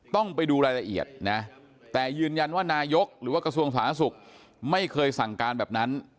ต้องไปดูรายละเอียดนะแต่ยืนยันว่านายกหรือว่ากระทรวงสาธารณสุขไม่เคยสั่งการแบบนั้น